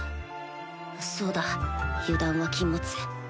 そうだ油断は禁物